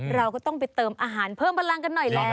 เราก็ต้องไปเติมอาหารเพิ่มพลังกันหน่อยแล้ว